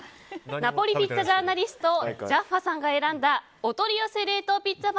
ナポリピッツァジャーナリストジャッファさんが選んだお取り寄せ冷凍ピッツァ